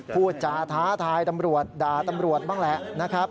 พูดจาท้าทายตำรวจด่าตำรวจบ้างแหละนะครับ